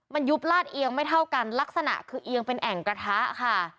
มันยุบลาดเอียงไม่เท่ากันลักษณะคือเอียงเป็นแอ่งกระทะค่ะ